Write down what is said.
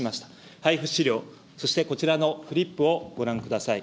配付資料、そしてこちらのフリップをご覧ください。